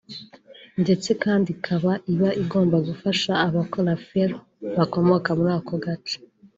… ndetse kandi ikaba iba igomba gufasha abakora filime bakomoka muri ako gace